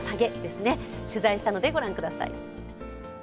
取材したのでご覧ください。